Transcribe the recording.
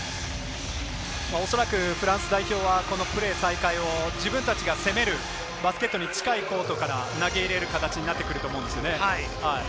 おそらくフランス代表はこのプレー再開を自分たちが攻めるバスケットに近いコートから投げ入れる形になってくると思うんですね。